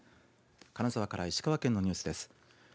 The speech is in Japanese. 金沢から石川県のニュースです。